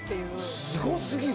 すごすぎる！